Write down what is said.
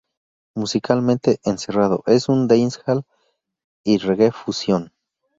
Musicalmente, "Encerrado" es un dancehall y reggae fusión.